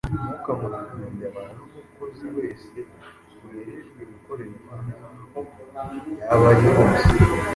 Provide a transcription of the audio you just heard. Mwuka Muziranenge abana n’umukozi wese werejwe gukorera Imana, aho yaba ari hose.